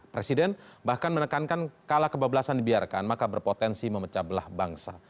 presiden bahkan menekankan kala kebablasan dibiarkan maka berpotensi memecah belah bangsa